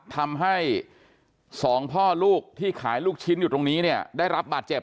ทำให้สองพ่อลูกที่ขายลูกชิ้นอยู่ตรงนี้เนี่ยได้รับบาดเจ็บ